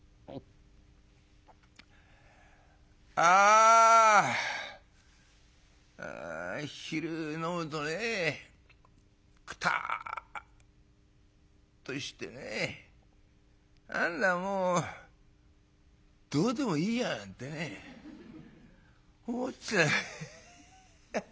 「あ昼飲むとねくたっとしてね何だもうどうでもいいやなんてね思っちゃうヘッヘヘヘヘ。